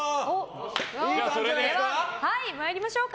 では、参りましょうか。